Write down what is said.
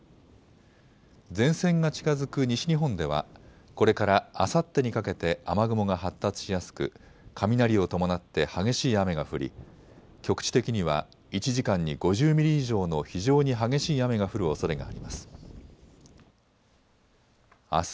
前線が近づく西日本ではこれからあさってにかけて雨雲が発達しやすく雷を伴って激しい雨が降り局地的には１時間に５０ミリ以上の非常に激しい雨が降るおそれがあります。